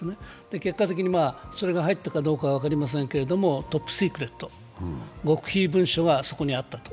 結果的にそれが入ったかどうか分かりませんけれども、トップシークレット、極秘文書がそこにあったと。